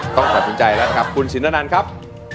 ต้องตัดสินใจแล้วนะครับคุณสินอนันครับ